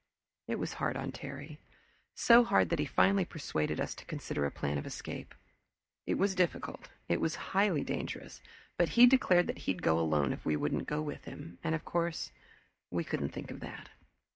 It was hard on Terry, so hard that he finally persuaded us to consider a plan of escape. It was difficult, it was highly dangerous, but he declared that he'd go alone if we wouldn't go with him, and of course we couldn't think of that.